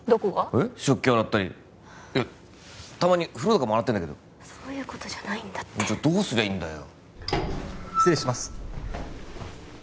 えっ食器洗ったりいやたまに風呂とかも洗ってるんだけどそういうことじゃないんだってじゃあどうすりゃいいんだよ失礼します